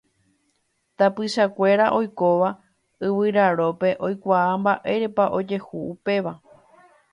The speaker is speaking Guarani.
Tapichakuéra oikóva Yvyrarópe oikuaa mba'érepa ojehu upéva.